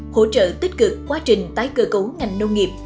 hỗ trợ tích cực quá trình tái cơ cấu ngành nông nghiệp